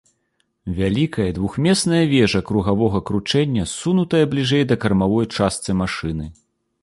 Вялікая двухмесная вежа кругавога кручэння ссунутая бліжэй да кармавой частцы машыны.